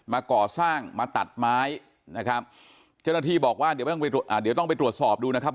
มาก่อสร้างมาตัดไม้นะครับเจ้าหน้าที่บอกว่าเดี๋ยวต้องไปตรวจสอบดูนะครับ